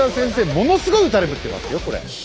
ものすごい撃たれてますよこれ。